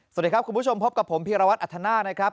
สวัสดีครับคุณผู้ชมพบกับผมพีรวัตรอัธนาคนะครับ